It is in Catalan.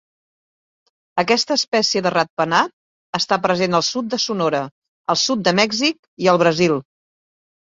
Aquesta espècie de ratpenat està present al sud de Sonora, al sud de Mèxic i al Brasil.